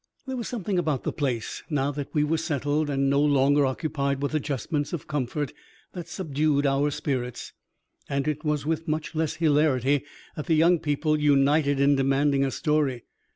There was something about the place, now that we were settled and no longer occupied with adjustments of comfort, that subdued our spirits, and it was with much less hilarity that the young people united in demanding a story.